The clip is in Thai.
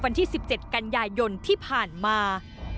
วันที่๑๗กันยายนที่ผ่านมา